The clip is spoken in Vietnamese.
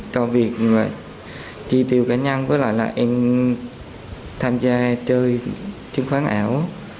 cho việc chi tiêu cá nhân với lại là em tham gia chơi chứng khoán ảo